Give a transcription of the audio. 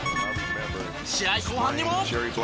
試合後半にも。